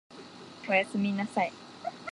お休みなさい